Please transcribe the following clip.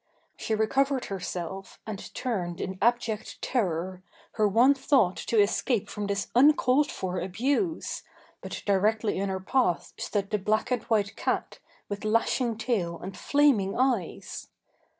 She recovered herself and turned in abject terror, her one thought to escape from this uncalled for abuse, but directly in her path stood the black and white cat with lashing tail and flaming eyes.